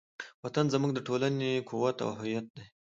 وطن زموږ د ټولنې قوت او هویت دی.